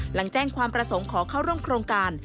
หลังแจ้งความประสงค์ขอเข้าร่วมโครงการ